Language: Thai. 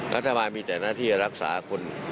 รัฐบาลมีแต่หน้าที่จะรักษาคน